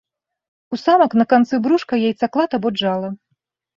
У самак на канцы брушка яйцаклад або джала.